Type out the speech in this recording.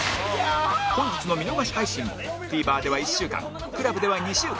本日の見逃し配信も ＴＶｅｒ では１週間 ＣＬＵＢ では２週間